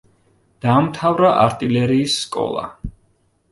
დაამთავრა არტილერიის სკოლა.